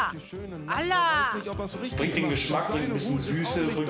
あら。